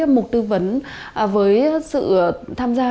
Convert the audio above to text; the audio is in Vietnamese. một tư vấn với sự tham gia